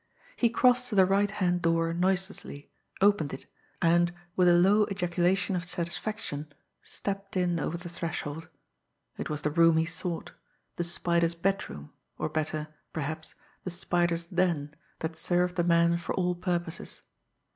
He crossed to the right hand door noiselessly, opened it, and, with a low ejaculation of satisfaction, stepped in over the threshold. It was the room he sought the Spider's bedroom, or, better perhaps, the Spider's den that served the man for all purposes.